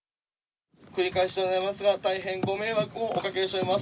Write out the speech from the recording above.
繰り返しでございますが、大変ご迷惑をおかけしております。